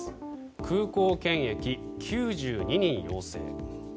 空港検疫、９２人陽性。